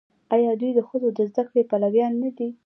آیا دوی د ښځو د زده کړې پلویان نه دي؟